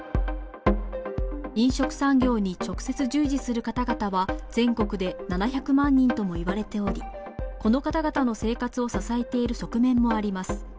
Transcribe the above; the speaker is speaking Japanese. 飲食産業に直接従事する方々は、全国で７００万人ともいわれており、この方々の生活を支えている側面もあります。